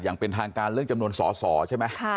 อย่างเป็นทางการเรื่องจำนวนสอสอใช่ไหม